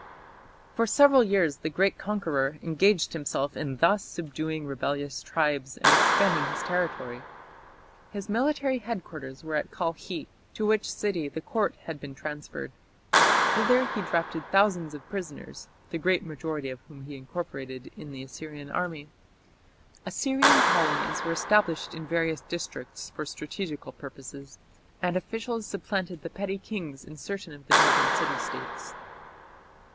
For several years the great conqueror engaged himself in thus subduing rebellious tribes and extending his territory. His military headquarters were at Kalkhi, to which city the Court had been transferred. Thither he drafted thousands of prisoners, the great majority of whom he incorporated in the Assyrian army. Assyrian colonies were established in various districts for strategical purposes, and officials supplanted the petty kings in certain of the northern city States.